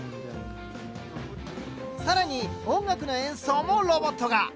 更に音楽の演奏もロボットが！